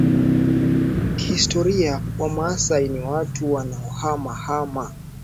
Kihistoria Wamaasai ni watu wanaohama hama